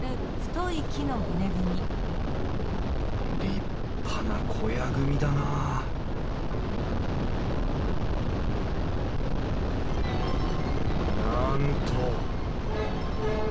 立派な小屋組みだななんと！